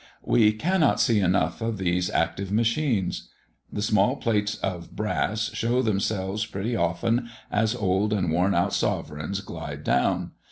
We cannot see enough of these active machines. The small plates of brass show themselves pretty often as old and worn out sovereigns glide down.